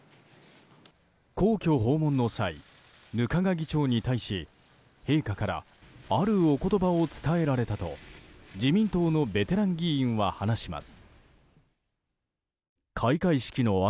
皇居訪問の際額賀議長に対し陛下からあるお言葉を伝えられたと自民党のベテラン議員は話します。